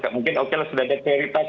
mungkin oke lah sudah ada prioritas